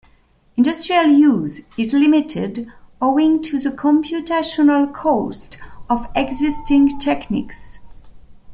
Industrial use is limited owing to the computational cost of existing techniques.